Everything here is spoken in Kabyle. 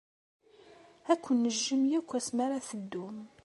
Ad ken-nejjem akk asmi ara teddum.